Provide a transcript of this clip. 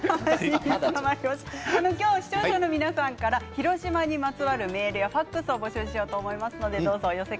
今日は視聴者の皆さんから広島にまつわるメールやファックスを募集します。